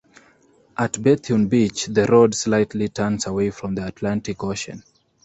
At Bethune Beach, the road slightly turns away from the Atlantic Ocean.